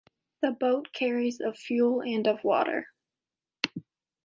The boat carries of fuel and of water.